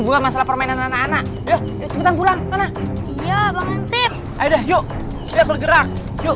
bukan masalah permainan anak anak ya cepetan pulang sana iya bang hansip ayo kita bergerak